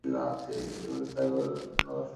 এবার তিনি স্থায়ীভাবে সেখানে বসবাস করতে থাকেন।